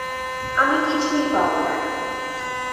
আমি কিছুই পাবো না?